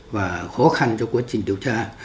và khó khăn cho quá trình điều tra